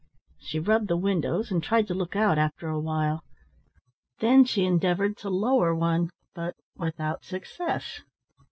She rubbed the windows and tried to look out after a while. Then she endeavoured to lower one, but without success.